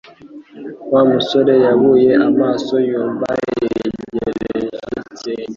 Wa musore yubuye amaso yumva yegereje ikirenge